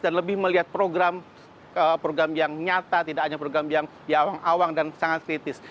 dan lebih melihat program program yang nyata tidak hanya program yang awang awang dan sangat kritis